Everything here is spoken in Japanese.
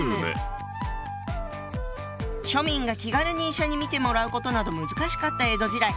庶民が気軽に医者に診てもらうことなど難しかった江戸時代。